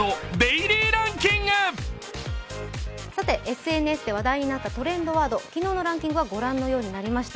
ＳＮＳで話題になったトレンドワード、昨日のランキングはご覧のようになりました。